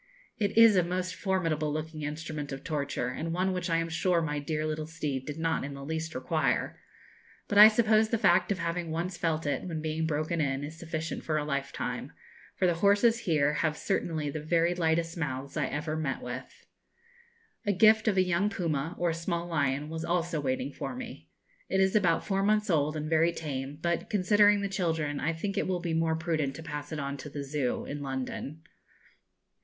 It is a most formidable looking instrument of torture, and one which I am sure my dear little steed did not in the least require; but I suppose the fact of having once felt it, when being broken in, is sufficient for a lifetime, for the horses here have certainly the very lightest mouths I ever met with. A gift of a young puma, or small lion, was also waiting for me. It is about four months old, and very tame; but, considering the children, I think it will be more prudent to pass it on to the Zoo, in London.